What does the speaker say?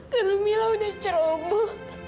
karena mila udah ceroboh